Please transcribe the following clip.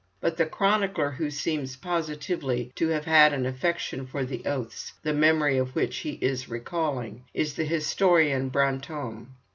But the chronicler who seems positively to have had an affection for the oaths the memory of which he is recalling, is the historian Brantôme.